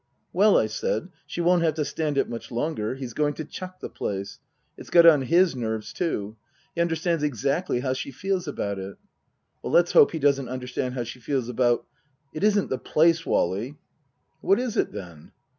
" Well," I said, " she won't have to stand it much longer. He's going to chuck the place. It's got on his nerves, too. He understands exactly how she feels about it." " Let's hope he doesn't understand how she feels about It isn't the place, Wally." " What is it, then